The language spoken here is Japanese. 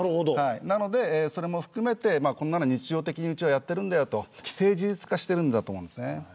それも含めて、こんなのは日常的にうちはやっているんだよと既成事実化していると思います。